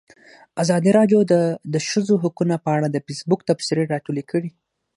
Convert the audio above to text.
ازادي راډیو د د ښځو حقونه په اړه د فیسبوک تبصرې راټولې کړي.